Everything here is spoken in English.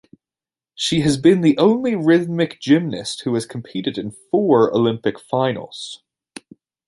She has been the only rhythmic gymnast who has competed in four Olympic Finals.